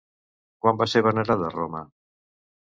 Quan va ser venerada Roma?